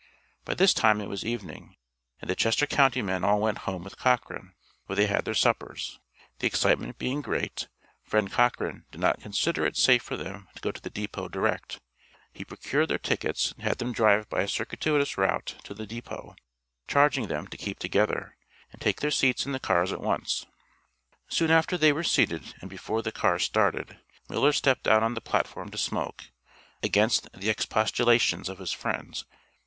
By this time it was evening, and the Chester county men all went home with Cochran, where they had their suppers; the excitement being great, Friend Cochran did not consider it safe for them to go to the depot direct; he procured their tickets and had them driven by a circuitous route to the depot, charging them to keep together, and take their seats in the cars at once. Soon after they were seated and before the cars started, Miller stepped out on the platform to smoke, against the expostulations of his friends.